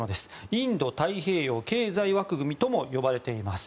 インド太平洋経済枠組みとも呼ばれています。